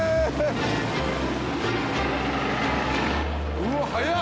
うわっ速っ。